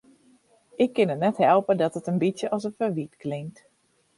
Ik kin it net helpe dat it in bytsje as in ferwyt klinkt.